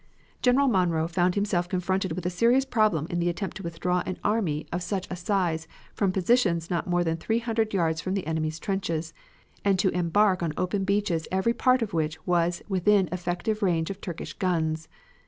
General Monro found himself confronted with a serious problem in the attempt to withdraw an army of such a size from positions not more than three hundred yards from the enemy's trenches, and to embark on open beaches every part of which was within effective range of Turkish guns.